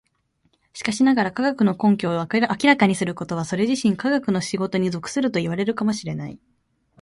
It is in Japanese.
しかしながら、科学の根拠を明らかにすることはそれ自身科学の仕事に属するといわれるかも知れない。